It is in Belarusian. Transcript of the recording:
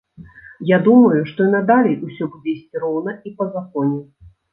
Я думаю, што і надалей усё будзе ісці роўна і па законе.